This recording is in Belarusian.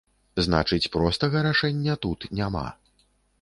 Значыць, простага рашэння тут няма.